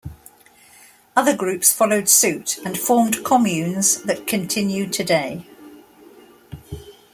Other groups followed suit and formed communes that continue today.